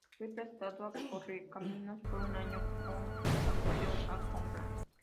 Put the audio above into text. Fue prestado a Correcaminos por un año con opción a compra.